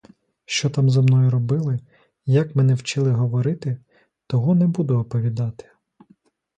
Що там зо мною робили, як мене вчили говорити, того не буду оповідати.